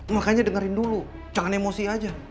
makanya dengerin dulu jangan emosi aja